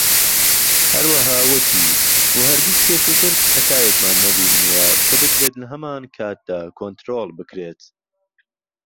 هەروەها ووتی، "و هەرگیز پێشووتر پەتایەکمان نەبینیوە کە بکرێت لە هەمان کاتدا کۆنترۆڵ بکرێت."